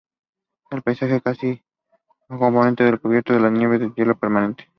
El paisaje está casi completamente cubierto por la nieve y el hielo permanente.